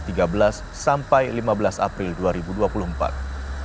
untuk mengurai kepadatan arus balik pt jasa marga akan meng turkey